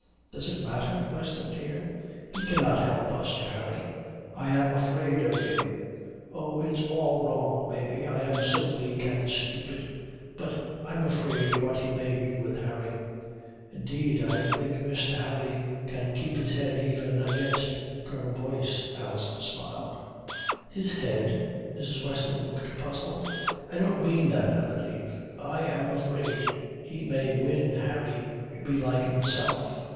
Does it matter, Weston, dear? He cannot help us to Harry." "I am afraid of him. Oh, it's all wrong maybe. I am so weak and stupid. But I am afraid what he may do with Harry." "Indeed, I think Mr. Harry can keep his head even against Colonel Boyce," Alison smiled. "His head?" Mrs. Weston looked puzzled. "I don't mean that, I believe. I am afraid he may win Harry to be like himself.